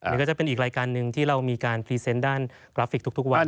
นี่ก็จะเป็นอีกรายการหนึ่งที่เรามีการพรีเซนต์ด้านกราฟิกทุกวัน